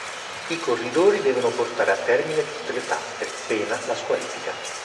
I corridori devono portare a termine tutte le tappe, pena la squalifica.